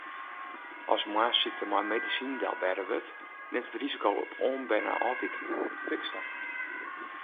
As moarnssykte mei medisinen delbêde wurdt, nimt it risiko op oanberne ôfwikingen fiks ta.